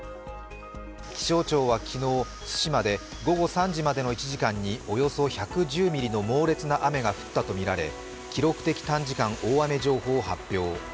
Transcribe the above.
気象庁は昨日、対馬で午後３時までの１時間におよそ１１０ミリの猛烈な雨が降ったとみられ、記録的短時間大雨情報を発表。